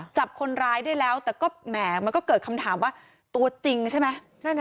จับคนร้ายได้แล้วแต่ก็แหมมันก็เกิดคำถามว่าตัวจริงใช่ไหม